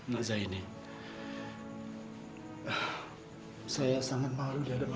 nek zaini saya sangat malu di hadapan allah